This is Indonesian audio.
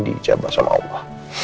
dijabah sama allah